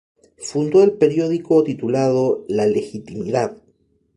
Fundó el periódico titulado "La Legitimidad".